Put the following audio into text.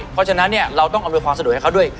เพราะฉะนั้นเราต้องอำนวยความสะดวกให้เขาด้วย